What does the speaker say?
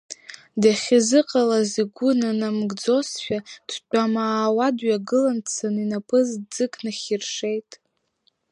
Дахьизыҟалаз игәы нанамгӡозшәа, дтәаа-маауа дҩагылан, дцаны инапы ӡык нахьиршеит.